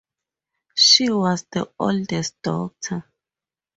She was the oldest daughter.